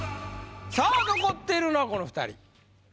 さぁ残っているのはこの２人。